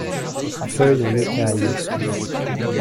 Feuilles en écaille.